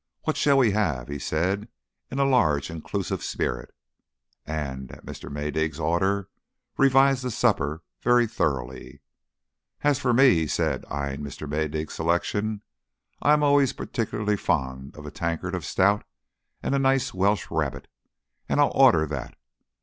"What shall we have?" he said, in a large, inclusive spirit, and, at Mr. Maydig's order, revised the supper very thoroughly. "As for me," he said, eyeing Mr. Maydig's selection, "I am always particularly fond of a tankard of stout and a nice Welsh rarebit, and I'll order that.